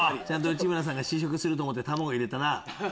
内村さん試食すると思って卵入れたな？